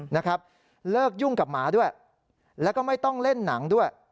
นะครับเลิกยุ่งกับหมาด้วยแล้วก็ไม่ต้องเล่นหนังด้วย